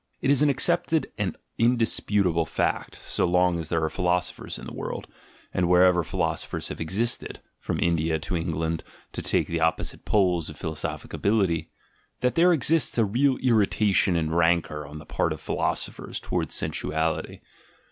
It is an accepted and indisputable fact, so long as there are philosophers in the world, and wherever philosophers have existed (from India to England, to take the opposite poles of philo ASCETIC IDEALS 107 sophic ability), that there exists a real irritation and rancour on the part of philosophers towards sensuality.